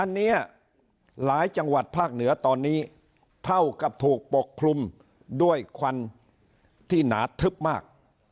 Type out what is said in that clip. อันนี้หลายจังหวัดภาคเหนือตอนนี้เท่ากับถูกปกคลุมด้วยควันที่หนาทึบมาก